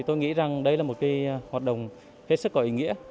tôi nghĩ rằng đây là một hoạt động hết sức có ý nghĩa